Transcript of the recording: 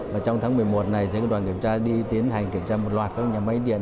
và trong tháng một mươi một này thì các đoàn kiểm tra đi tiến hành kiểm tra một loạt các nhà máy điện